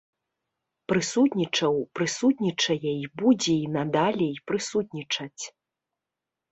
Прысутнічаў, прысутнічае і будзе і надалей прысутнічаць.